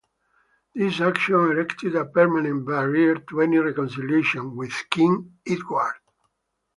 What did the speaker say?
This action erected a permanent barrier to any reconciliation with King Edward.